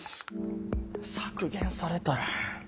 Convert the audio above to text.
削減されたら。